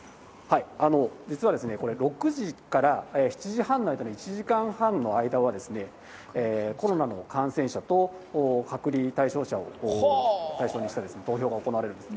実はこれ、６時から７時半の間の１時間半の間は、コロナの感染者と、隔離対象者を対象にした投票が行われる。